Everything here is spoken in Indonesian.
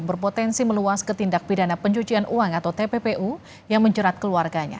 berpotensi meluas ke tindak pidana pencucian uang atau tppu yang menjerat keluarganya